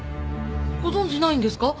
ご存じないんですか？